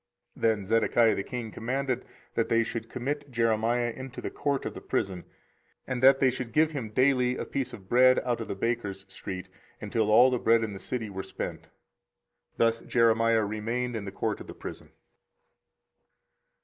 24:037:021 Then Zedekiah the king commanded that they should commit Jeremiah into the court of the prison, and that they should give him daily a piece of bread out of the bakers' street, until all the bread in the city were spent. Thus Jeremiah remained in the court of the prison.